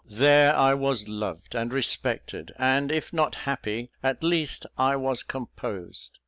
There I was loved and respected; and if not happy, at least I was composed.